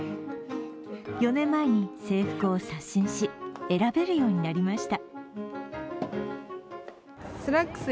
４年前に制服を刷新し選べるようになりました。